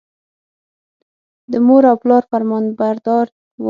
د مور او پلار فرمانبردار و.